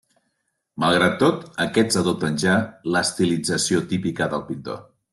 Malgrat tot, aquests adopten ja l'estilització típica del pintor.